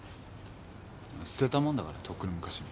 捨てたもんだからとっくの昔に。